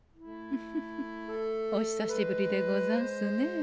フフフお久しぶりでござんすねえ。